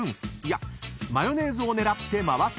マヨネーズを狙って回すと］